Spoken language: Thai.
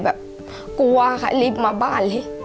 แบบกลัวค่ะรีบมาบ้านเลย